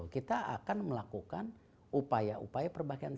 kita akan melakukan upaya upaya perbaikan